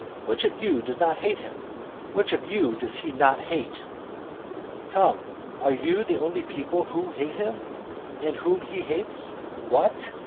Which of you does not hate him? which of you does not he hate? Come, are you the only people who hate him; and whom he hates? What?